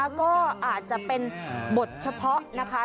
อะก็อาจจะเป็นบทเฉพาะ